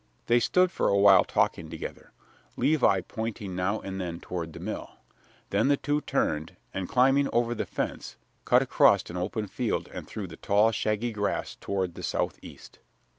They stood for a while talking together, Levi pointing now and then toward the mill. Then the two turned, and, climbing over the fence, cut across an open field and through the tall, shaggy grass toward the southeast.